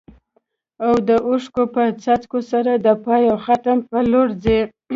او د اوښکو په څاڅکو سره د پای او ختم په لور ځي.